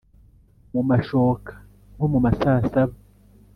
mu mashoka (nko mu masaa saba)